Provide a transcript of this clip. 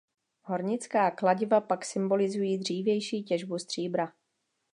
Hornická kladiva pak symbolizují dřívější těžbu stříbra.